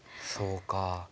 そうかあ。